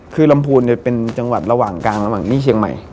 คือลำพูนเนี่ยเป็นจังหวัดระหว่างกลางระหว่างที่เชียงใหม่